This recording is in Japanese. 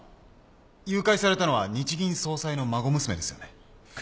誘拐されたのは日銀総裁の孫娘ですよね？